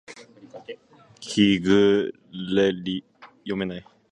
日暮里